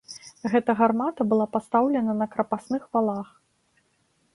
Гэта гармата была пастаўлена на крапасных валах.